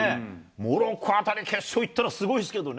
モロッコあたり決勝行ったら、すごいですけどね。